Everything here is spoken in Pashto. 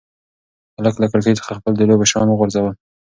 هلک له کړکۍ څخه خپل د لوبو شیان وغورځول.